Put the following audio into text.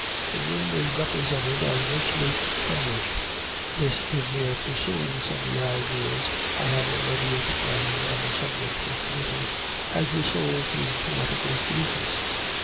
The room is represented as richly furnished this in mere pursuance of the ideas I have already explained on the subject of Beauty, as the sole true poetical thesis.